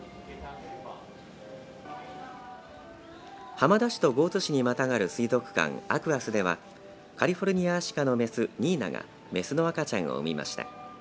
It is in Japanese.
浜田市と江津市にまたがる水族館アクアスではカリフォルニアアシカの雌ニーナが雌の赤ちゃんを生みました。